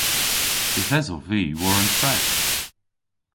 Yth esov vy war an treth.